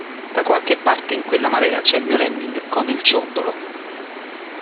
Da qualche parte in quella marea c'è il mio lemming con il ciondolo!